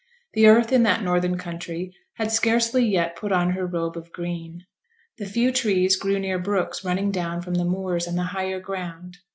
The earth in that northern country had scarcely yet put on her robe of green. The few trees grew near brooks running down from the moors and the higher ground.